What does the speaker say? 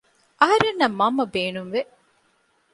އަހަރެންނަށް މަންމަ ބޭނުންވެ